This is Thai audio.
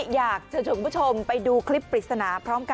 อยากจะชวนคุณผู้ชมไปดูคลิปปริศนาพร้อมกัน